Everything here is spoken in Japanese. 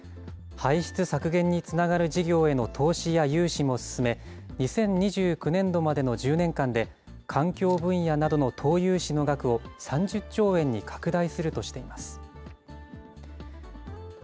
排出削減につながる事業への投資や融資も進め、２０２９年度までの１０年間で、環境分野などの投融資の額を３０兆円に拡大するとしています。